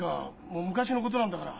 もう昔のことなんだから。